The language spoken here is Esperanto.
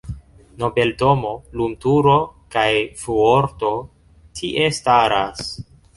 Nobeldomo, lumturo kaj fuorto tie staras.